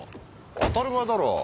当たり前だろ。